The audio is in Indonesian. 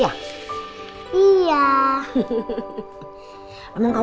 tante apa yang kamu lakukan